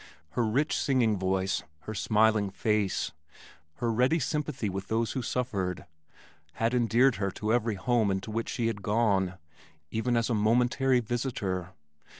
Her rich singing voice, her smiling face, her ready sympathy with those who suffered, had endeared her to every home into which she had gone, even as a momentary visitor.